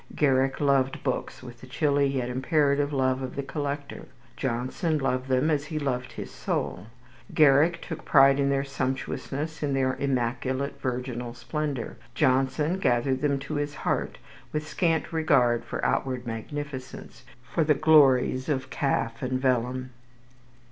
Garrick loved books with the chilly yet imperative love of the collector. Johnson loved them as he loved his soul. Garrick took pride in their sumptuousness, in their immaculate, virginal splendour. Johnson gathered them to his heart with scant regard for outward magnificence, for the glories of calf and vellum.